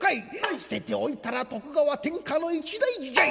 捨てておいたら徳川天下の一大事じゃい。